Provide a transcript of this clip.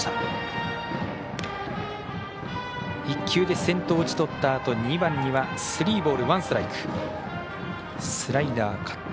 １球で先頭を打ち取ったあと２番にはスリーボールワンストライク。